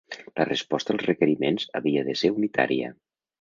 La resposta als requeriments havia de ser unitària.